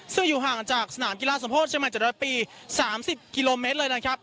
ซึ่งอยู่ห่างจากสนามกีฬาสมโภษใช่ไหมจะได้ปีสามสิบกิโลเมตรเลยนะครับ